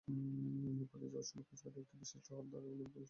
পালিয়ে যাওয়ার সময় কোস্টগার্ডের একটি বিশেষ টহল দলের সামনে পড়ে যায় পাচারকারীরা।